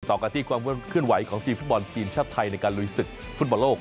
ต่อกันที่ความเคลื่อนไหวของทีมฟุตบอลทีมชาติไทยในการลุยศึกฟุตบอลโลก